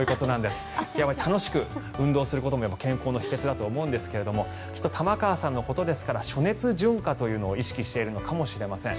楽しく運動することも健康の秘けつだと思うんですがきっと玉川さんのことですから暑熱順化というのを意識しているのかもしれません。